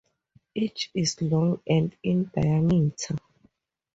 Each is long and in diameter.